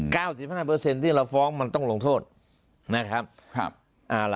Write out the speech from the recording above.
สิบห้าเปอร์เซ็นต์ที่เราฟ้องมันต้องลงโทษนะครับครับอ่าล่ะ